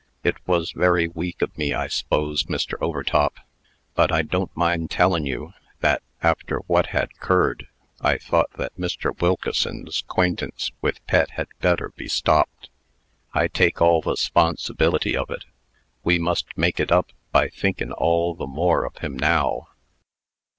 It was very weak of me, I s'pose, Mr. Overtop; but I don't mind tellin' you, that, after what had 'curred, I thought that Mr. Wilkeson's quaintance with Pet had better be stopped. I take all the 'sponsibility of it. We must make it up, by thinkin' all the more of him now."